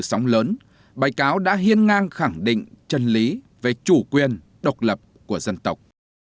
sóng lớn bài cáo đã hiên ngang khẳng định chân lý về chủ quyền độc lập của dân tộc